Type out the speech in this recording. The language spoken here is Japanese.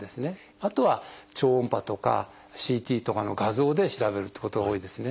あとは超音波とかＣＴとかの画像で調べるってことが多いですね。